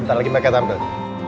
ntar lagi mereka tampil